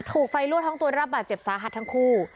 ถูกไฟรั่วท้องตัวรับบาดเจ็บสาหัสทั้งคู่